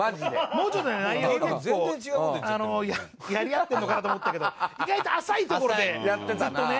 もうちょっとね内容結構やり合ってるのかなと思ったけど意外と浅いところでずっとね。